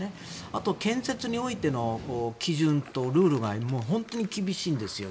あと、建設においての基準とルールが本当に厳しいんですよ